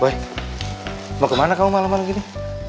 boy mau kemana kamu malem malem gini